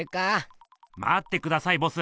まってくださいボス。